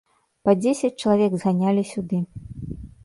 Па дзесяць чалавек зганялі сюды.